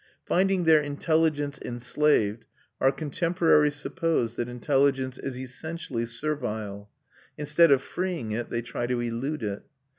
Finding their intelligence enslaved, our contemporaries suppose that intelligence is essentially servile; instead of freeing it, they try to elude it.